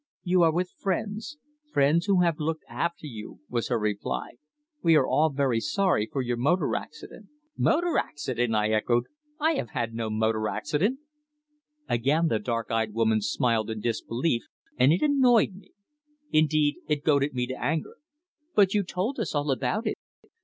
"You are with friends friends who have looked after you," was her reply. "We are all very sorry for your motor accident." "Motor accident!" I echoed. "I have had no motor accident." Again the dark eyed woman smiled in disbelief, and it annoyed me. Indeed, it goaded me to anger. "But you told us all about it.